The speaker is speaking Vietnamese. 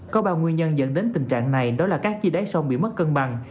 có ba nguyên nhân dẫn đến tình trạng này đó là các chi đá sông bị mất cân bằng